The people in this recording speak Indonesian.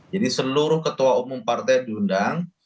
jadi seluruh ketua umum partai diundang